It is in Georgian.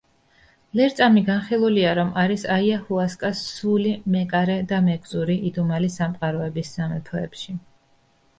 ლერწამი განხილულია, რომ არის აიაჰუასკას „სული“, მეკარე და მეგზური იდუმალი სამყაროების სამეფოებში.